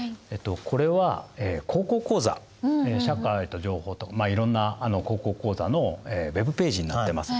これは「高校講座社会と情報」といろんな「高校講座」のウェブページになってます。